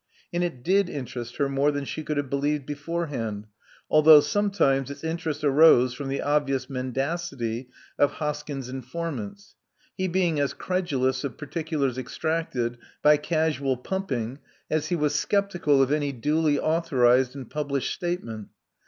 And it did interest her more than she could have believed beforehand, although sometimes its interest arose from the obvious mendacity of Hoskyn's informants: he being as credulous of particulars extracted by causal pumping as he was sceptical of any duly authorized and published statement.